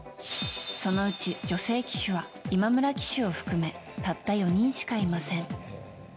そのうち女性騎手は今村騎手を含めたった４人しかいません。